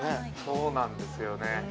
そうなんですよね。